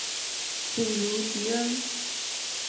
普卢吉恩。